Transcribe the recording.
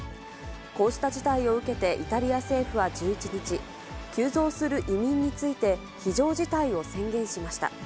こうした事態を受けてイタリア政府は１１日、急増する移民について、非常事態を宣言しました。